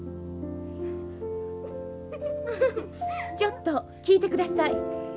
ちょっと聞いてください。